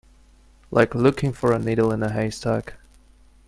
Like looking for a needle in a haystack.